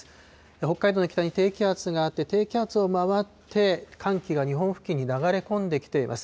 北海道の北に低気圧があって、低気圧を回って、寒気が日本付近に流れ込んできています。